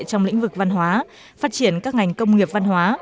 trong lĩnh vực văn hóa phát triển các ngành công nghiệp văn hóa